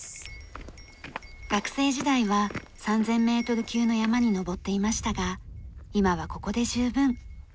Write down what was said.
学生時代は３０００メートル級の山に登っていましたが今はここで十分。